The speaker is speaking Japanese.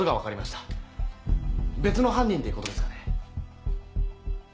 別の犯人っていうことですかね？